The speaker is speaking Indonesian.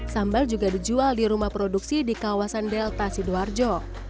sambal juga dijual di rumah produksi di kawasan delta sidoarjo